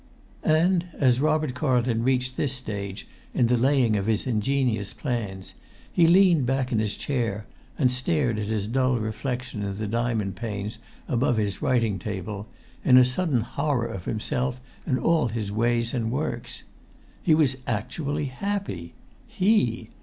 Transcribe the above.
And as Robert Carlton reached this stage in the laying of his ingenious plans, he leaned back in his chair, and stared at his dull reflection in the diamond panes above his writing table, in a sudden horror of himself and all his ways and works. He was actually happy—he!